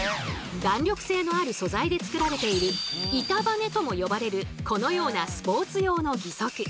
弾力性のある素材で作られている「板バネ」とも呼ばれるこのようなスポーツ用の義足。